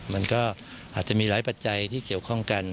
มันก็อาจจะมีหลายปัจจัยที่เกี่ยวข้องกัน